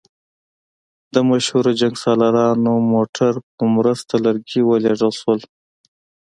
د مشهور جنګسالار موټرو په مرسته لرګي ولېږدول شول.